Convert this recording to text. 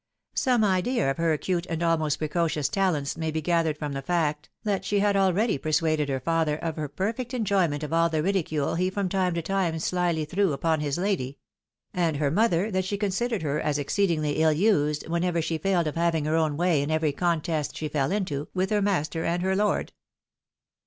Some idea of her acute and almost precocious talents may be gathered from the fact, that she had already persuaded her father of her perfect en joyment of all the ridicule he from time to time slily threw upon his lady ; and her mother, that she considered her as exceedingly ill used, whenever she failed of having her OAvn way in every contest she fell into, with her master and her lord.